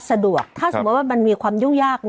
สะดวกถ้าสมมุติว่ามันมีความยุ่งยาก